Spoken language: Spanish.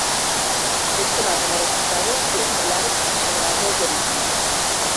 Esto da como resultado cielos nublados y considerable llovizna.